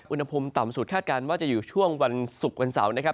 อุณหภูมิต่ำสุดคาดการณ์ว่าจะอยู่ช่วงวันศุกร์วันเสาร์นะครับ